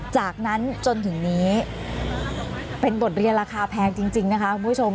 จากนั้นจนถึงนี้เป็นบทเรียนราคาแพงจริงนะคะคุณผู้ชม